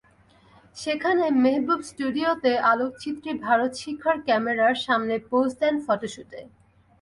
সেখানে মেহবুব স্টুডিওতে আলোকচিত্রী ভারত শিখার ক্যামেরার সামনে পোজ দেন ফটোশুটে।